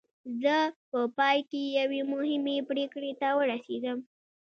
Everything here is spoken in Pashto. زه په پای کې یوې مهمې پرېکړې ته ورسېدم